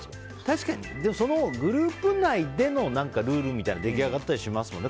確かにそのグループ内でのルールが出来上がったりしますもんね。